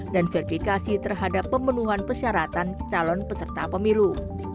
dan verifikasi terhadap pemenuhan persyaratan calon peserta pemilu